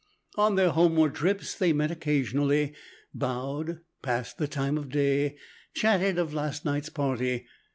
On their homeward trips they met occasionally, bowed, passed the time of day, chatted of the last night's party.